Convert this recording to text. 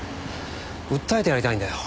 訴えてやりたいんだよ。